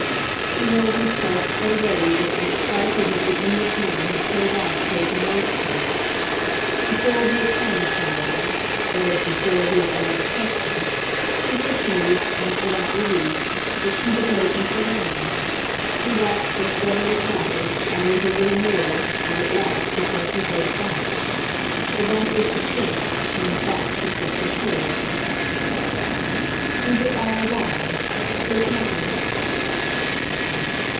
He held himself so ready that it was quite as if the inward man had pulled off coat and waistcoat. Before he had plunged, however that is before he had uttered a question he perceived, not without relief, that she was making for land. He watched her steadily paddle, always a little nearer, and at last he felt her boat bump. The bump was distinct, and in fact she stepped ashore. "We were all wrong. There's nothing."